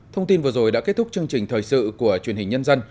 thông tin vừa rồi đã kết thúc chương trình thời sự của truyền hình nhân dân